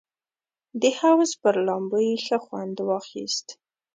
د حوض پر لامبو یې ښه خوند واخیست.